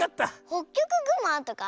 ホッキョクグマとかあるよね。